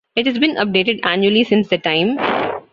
It has been updated annually since that time.